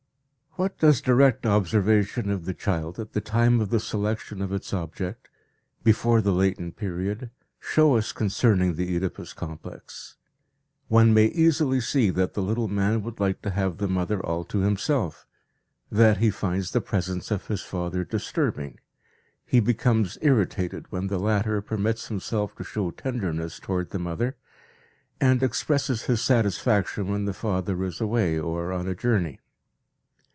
What does direct observation of the child at the time of the selection of its object, before the latent period, show us concerning the Oedipus complex? One may easily see that the little man would like to have the mother all to himself, that he finds the presence of his father disturbing, he becomes irritated when the latter permits himself to show tenderness towards the mother, and expresses his satisfaction when the father is away or on a journey.